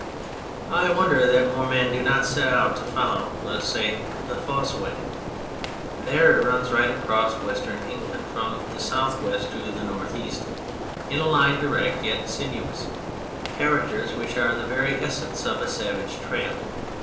I wonder that more men do not set out to follow, let us say, the Fosse way. There it runs right across Western England from the south west to the north east, in a line direct yet sinuous, characters which are the very essence of a savage trail.